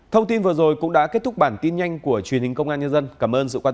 thông tin vừa rồi cũng đã kết thúc bản tin nhanh của truyền hình công an nhân dân cảm ơn sự quan